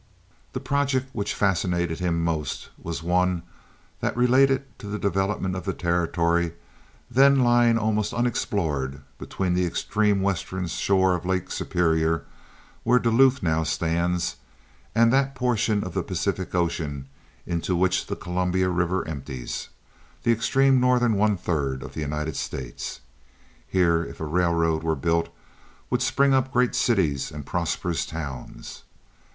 The project which fascinated him most was one that related to the development of the territory then lying almost unexplored between the extreme western shore of Lake Superior, where Duluth now stands, and that portion of the Pacific Ocean into which the Columbia River empties—the extreme northern one third of the United States. Here, if a railroad were built, would spring up great cities and prosperous towns.